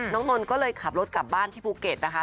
นนท์ก็เลยขับรถกลับบ้านที่ภูเก็ตนะคะ